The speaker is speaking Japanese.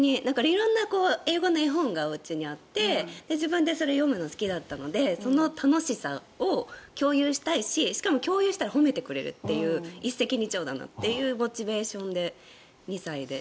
色んな英語の本が家にあって自分でそれを読むのが好きだったのでその楽しさを共有したいし共有したら褒めてくれるという一石二鳥なんだというモチベーションで、２歳で。